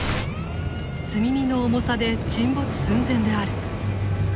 積み荷の重さで沈没寸前である。